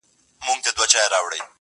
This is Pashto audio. ډېر له کیبره څخه ګوري و هوا ته,